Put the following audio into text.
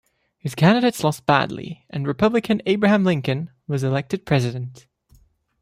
His candidates lost badly, and Republican Abraham Lincoln was elected president.